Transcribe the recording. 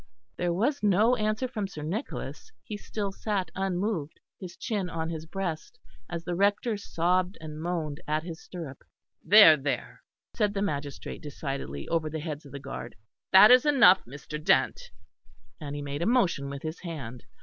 There was no answer from Sir Nicholas; he still sat unmoved, his chin on his breast, as the Rector sobbed and moaned at his stirrup. "There, there," said the magistrate decidedly, over the heads of the guard, "that is enough, Mr. Dent"; and he made a motion with his hand.